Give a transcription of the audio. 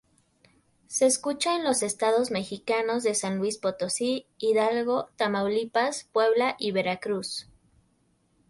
Se escucha en los estados mexicanos de San Luis Potosí, Hidalgo, Tamaulipas, Puebla y Veracruz.